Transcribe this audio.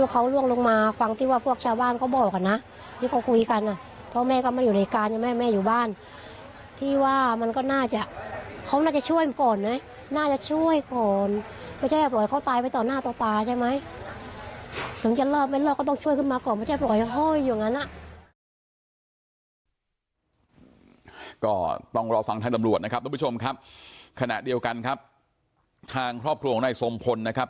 ก็ต้องรอฟังทางตำรวจนะครับทุกผู้ชมครับขณะเดียวกันครับทางครอบครัวของนายทรงพลนะครับ